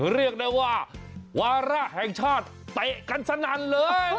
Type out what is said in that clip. เรียกได้ว่าวาระแห่งชาติเตะกันสนั่นเลย